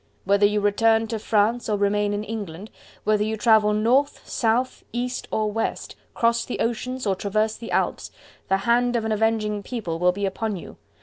Whether you return to France or remain in England, whether you travel North, South, East or West, cross the Oceans, or traverse the Alps, the hand of an avenging People will be upon you.